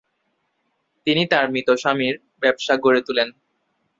তিনি তার মৃত স্বামীর ব্যবসা গড়ে তোলেন।